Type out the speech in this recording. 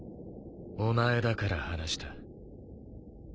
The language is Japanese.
お前だから話した